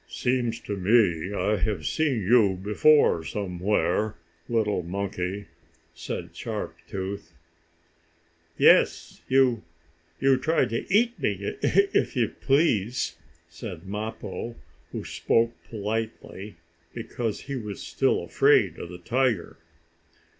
"Seems to me I have seen you before, somewhere, little monkey," said Sharp Tooth. "Yes, you you tried to eat me, if you please," said Mappo, who spoke politely, because he was still afraid of the tiger.